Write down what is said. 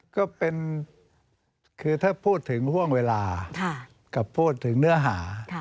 ก็เป็นคือถ้าพูดถึงห่วงเวลากับพูดถึงเนื้อหา